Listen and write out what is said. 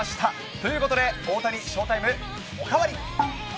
ということで、大谷ショータイムおかわり。